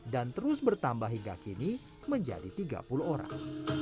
dan terus bertambah hingga kini menjadi tiga puluh orang